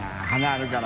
あるから。